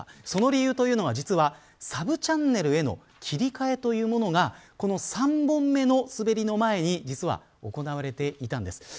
その理由というのは、実はサブチャンネルへの切り替えというものが３本目の滑りの前に実が行われていたんです。